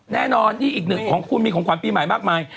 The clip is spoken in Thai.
แน่นอนนี่อีกหนึ่งของคุณมีของขวัญปีใหม่มากมาย